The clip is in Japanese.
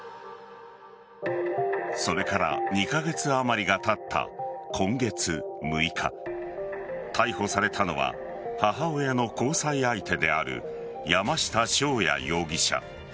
それから２カ月あまりがたった今月６日逮捕されたのは母親の交際相手である山下翔也容疑者。